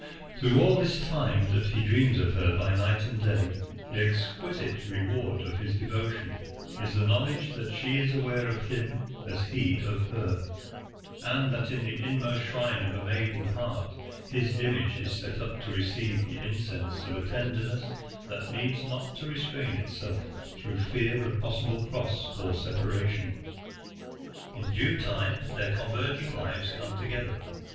Through all this time that he dreams of her by night and day, the exquisite reward of his devotion is the knowledge that she is aware of him as he of her, and that in the inmost shrine of a maiden heart his image is set up to receive the incense of a tenderness that needs not to restrain itself through fear of possible cross or separation. "In due time their converging lives come together.